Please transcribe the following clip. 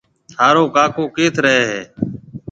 ٿارو ڪاڪو ڪيٿ رهيَ هيَ؟